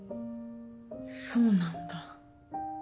そうなんだ。